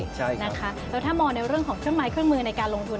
แล้วถ้ามองในเรื่องของเครื่องไม้เครื่องมือในการลงทุน